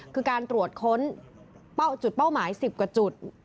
คือการตรวจค้นจุดเป้าหมาย๑๐กว่าจุด